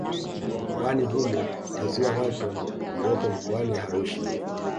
Mkoani humo na Ziwa Natron lililopo Mkoani Arusha